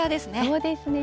そうですね。